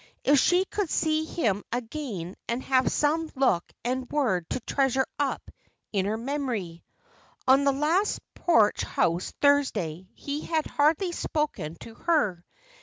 If she could see him again and have some look and word to treasure up in her memory! On the last Porch House Thursday he had hardly spoken to her.